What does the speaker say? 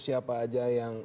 siapa aja yang